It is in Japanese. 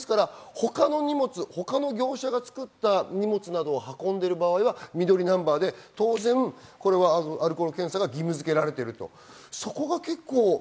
他の荷物、業者が作った荷物などを運んでいる場合は緑ナンバーで、アルコール検査が義務づけられます。